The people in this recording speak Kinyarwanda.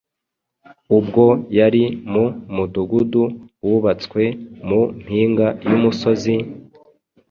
ubwo yari mu mudugudu wubatswe mu mpinga y’umusozi,